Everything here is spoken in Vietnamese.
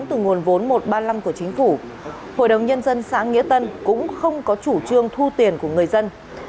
từ nguồn vốn một trăm ba mươi năm của chính phủ hội đồng nhân dân xã nghĩa tân cũng không có chủ trương thu tiền của người dân